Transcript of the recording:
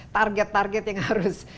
target target yang harus